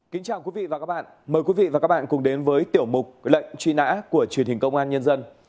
kính chào quý vị và các bạn mời quý vị và các bạn cùng đến với tiểu mục lệnh truy nã của truyền hình công an nhân dân